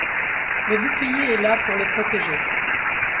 Le bouclier est là pour le protéger.